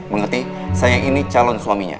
mengerti saya ini calon suaminya